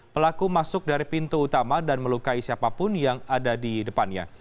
pelaku masuk dari pintu utama dan melukai siapapun yang ada di depannya